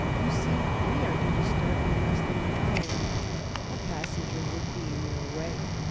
You see, we are due to start in less than an hour, and " "A passenger would be in your way?"